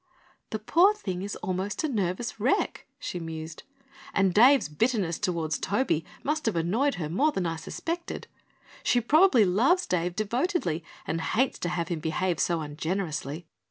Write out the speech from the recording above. "The poor thing is almost a nervous wreck," she mused, "and Dave's bitterness toward Toby must have annoyed her more than I suspected. She probably loves Dave devotedly and hates to have him behave so ungenerously.